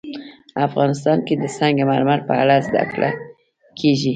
افغانستان کې د سنگ مرمر په اړه زده کړه کېږي.